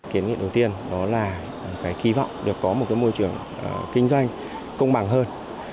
kiểm nghiệp đầu tiên đó là cái kỳ vọng được có một môi trường kinh doanh công bằng hơn